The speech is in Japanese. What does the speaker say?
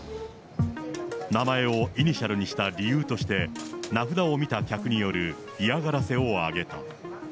名前をイニシャルにした理由として、名札を見た客による嫌がらせを挙げた。